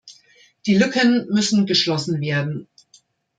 Die Lücken müssen geschlossen werden.